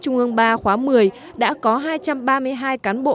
trung ương ba khóa một mươi đã có hai trăm ba mươi hai cán bộ